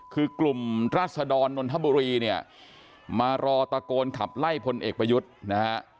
คือกลุ่มรัศดรนนทบุรีเนี่ยมารอตะโกนขับไล่พลเอกประยุทธ์นะฮะ